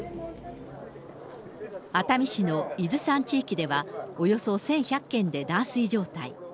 熱海市の伊豆山地域では、およそ１１００軒で断水状態。